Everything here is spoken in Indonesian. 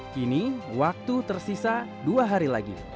kini waktu tersisa dua hari lagi